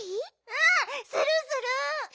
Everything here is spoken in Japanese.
うんするする！